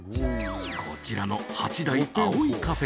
こちらの８代葵カフェ